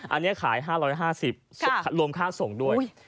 อันนี้ขาย๕๕๐รวมค่าส่งด้วย